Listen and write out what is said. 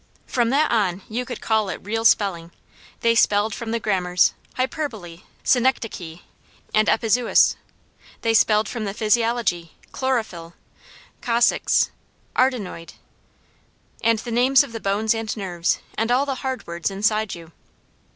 From that on you could call it real spelling. They spelled from the grammars, hyperbole, synecdoche, and epizeuxis. They spelled from the physiology, chlorophyll, coccyx, arytenoid, and the names of the bones and nerves, and all the hard words inside you.